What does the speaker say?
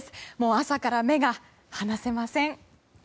朝から目が離せません。